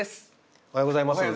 おはようございます。